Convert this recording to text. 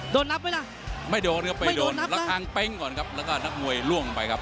โดนนับไหมล่ะไม่โดนครับไปโดนละครั้งเป๊งก่อนครับแล้วก็นักมวยล่วงไปครับ